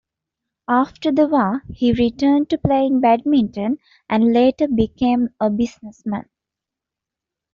After the war, he returned to playing badminton and later became a businessman.